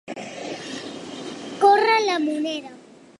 Córrer la moneda.